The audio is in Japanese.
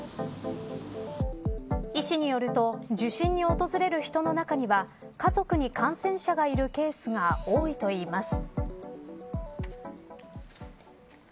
医師によると受診に訪れる人の中には家族に感染者がいるケースが多いといいます。